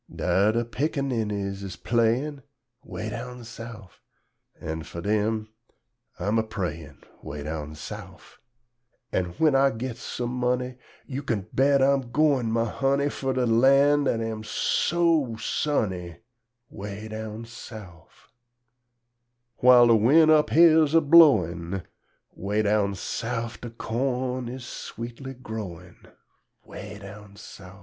Dar de pickaninnies 's playin', 'Weh down Souf, An' fur dem I am a prayin', 'Weh down Souf; An' when I gits sum munny, Yo' kin bet I'm goin', my hunny, Fur de lan' dat am so sunny, 'Weh down Souf. Whil' de win' up here's a blowin', 'Weh down Souf De corn is sweetly growin', 'Weh down Souf.